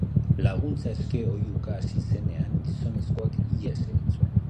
Laguntza eske oihuka hasi zenean, gizonezkoak ihes egin zuen.